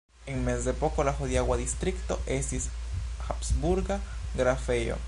En mezepoko la hodiaŭa distrikto estis habsburga grafejo.